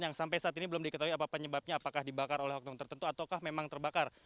yang sampai saat ini belum diketahui apa penyebabnya apakah dibakar oleh oknum tertentu ataukah memang terbakar